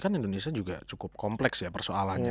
kan indonesia juga cukup kompleks ya persoalannya